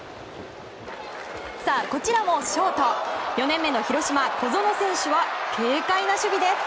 こちらもショート４年目の広島小園選手は軽快な守備です。